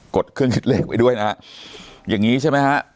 กดเครื่องขึ้นเลขด้วยนะอย่างนี้ใช่ไหมฮะ